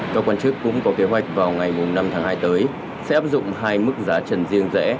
các quan chức cũng có kế hoạch vào ngày năm tháng hai tới sẽ áp dụng hai mức giá trần riêng rẽ